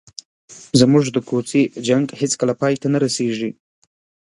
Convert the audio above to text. زموږ د کوڅې جنګ هېڅکله پای ته نه رسېږي.